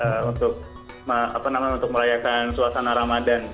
jadi itu mungkin untuk apa namanya untuk merayakan suasana ramadhan